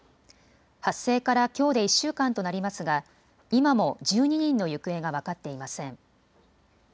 発生からきょうで１週間となりますが今も１２人の行方が分かっていません。